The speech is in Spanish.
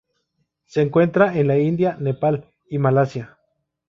Se encuentra en la India Nepal y Malasia.